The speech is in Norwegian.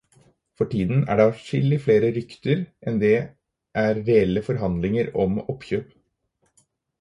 For tiden er det adskillig flere rykter enn det er reelle forhandlinger om oppkjøp.